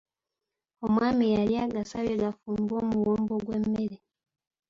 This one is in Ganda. Omwami yali agasabye gafumbe omuwumbo gw’emmere.